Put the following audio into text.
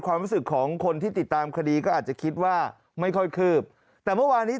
ความรู้สึกของคนที่ติดตามคดีก็อาจจะคิดว่าไม่ค่อยคืบแต่เมื่อวานนี้